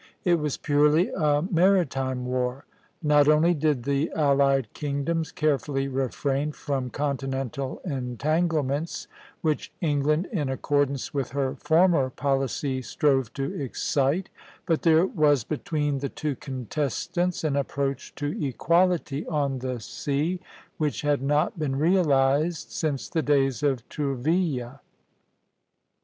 It was purely a maritime war. Not only did the allied kingdoms carefully refrain from continental entanglements, which England in accordance with her former policy strove to excite, but there was between the two contestants an approach to equality on the sea which had not been realized since the days of Tourville.